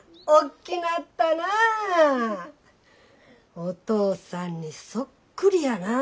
お父さんにそっくりやなあ。